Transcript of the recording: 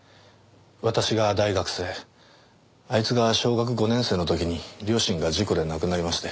私が大学生あいつが小学５年生の時に両親が事故で亡くなりまして。